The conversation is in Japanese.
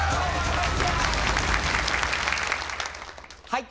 はい。